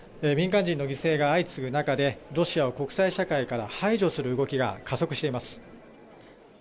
民間人の犠牲が相次ぐ中でロシアを国際社会から排除する動きが加速しています。